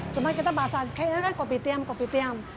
cuma kita bahasa keknya kan kopi tiam kopi tiam